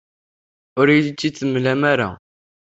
Ur iyi-tt-id-temlam ara.